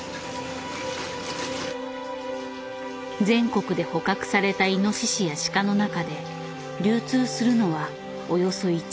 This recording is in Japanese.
全国で捕獲されたイノシシやシカの中で流通するのはおよそ１割。